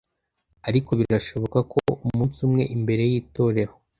ariko birashoboka ko umunsi umwe imbere y'itorero